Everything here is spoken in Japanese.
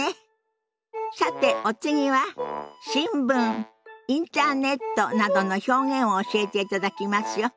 さてお次は「新聞」「インターネット」などの表現を教えていただきますよ。